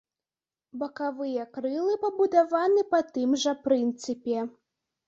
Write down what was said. Бакавыя крылы пабудаваны па тым жа прынцыпе.